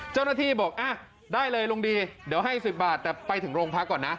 เจ้าหน้าที่บอกได้เลยลุงดีเดี๋ยวให้๑๐บาทแต่ไปถึงโรงพักก่อนนะ